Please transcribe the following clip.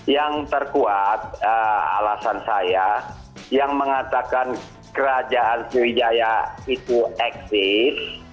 yang terkuat alasan saya yang mengatakan kerajaan sriwijaya itu eksis